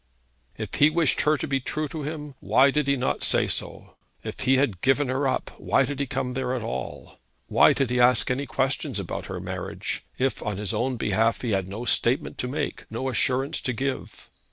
If he wished her to be true to him, why did he not say so? If he had given her up, why did he come there at all? Why did he ask any questions about her marriage, if on his own behalf he had no statement to make, no assurance to give?